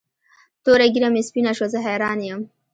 توره ږیره مې سپینه شوه زه حیران یم.